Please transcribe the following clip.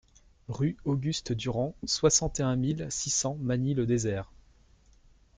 Rue Auguste Durand, soixante et un mille six cents Magny-le-Désert